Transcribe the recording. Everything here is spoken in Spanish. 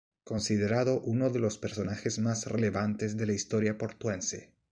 Considerado uno de los personajes más relevantes de la historia portuense.